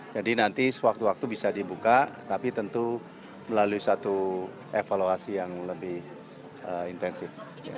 jadi nanti suatu waktu bisa dibuka tapi tentu melalui satu evaluasi yang lebih intensif